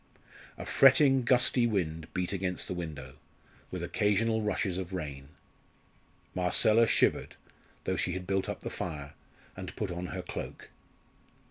A fretting, gusty wind beat against the window, with occasional rushes of rain. Marcella shivered, though she had built up the fire, and put on her cloak.